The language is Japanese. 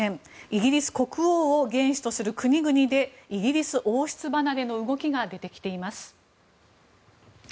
イギリス国王を元首とする国々でイギリス王室離れの動きが出てきています。